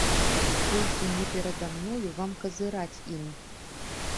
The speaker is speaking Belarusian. Толькі не перада мною вам казыраць ім!